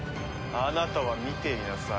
あなたは見ていなさい。